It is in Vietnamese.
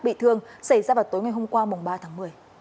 bị thương xảy ra vào tối ngày hôm qua ba tháng một mươi